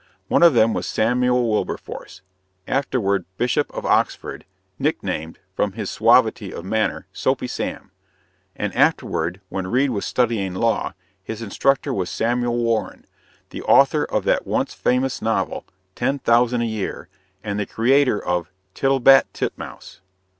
One of them was Samuel Wilberforce, afterward Bishop of Oxford, nicknamed, from his suavity of manner, "Soapy Sam"; and afterward, when Reade was studying law, his instructor was Samuel Warren, the author of that once famous novel, Ten Thousand a Year, and the creator of "Tittlebat Titmouse."